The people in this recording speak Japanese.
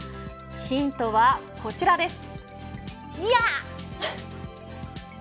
ヒントはこちらです。